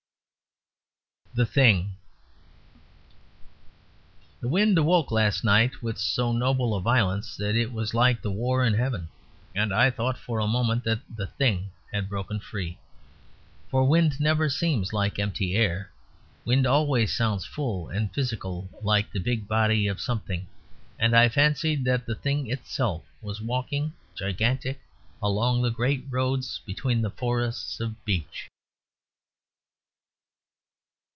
THE THING The wind awoke last night with so noble a violence that it was like the war in heaven; and I thought for a moment that the Thing had broken free. For wind never seems like empty air. Wind always sounds full and physical, like the big body of something; and I fancied that the Thing itself was walking gigantic along the great roads between the forests of beech.